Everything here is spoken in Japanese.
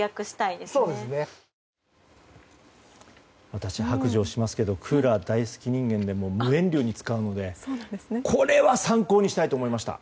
私、白状しますがクーラー大好き人間で無限に使うのでこれは参考にしたいと思いました。